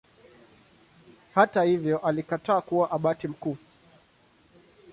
Hata hivyo alikataa kuwa Abati mkuu.